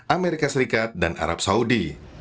amerika serikat dan arab saudi